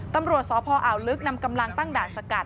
ตำรวจสพอ่าวลึกนำกำลังตั้งด่านสกัด